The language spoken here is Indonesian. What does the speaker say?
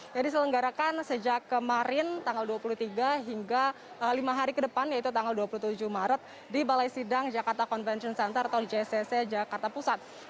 jadi selenggarakan sejak kemarin tanggal dua puluh tiga hingga lima hari ke depan yaitu tanggal dua puluh tujuh maret di balai sidang jakarta convention center atau jcc jakarta pusat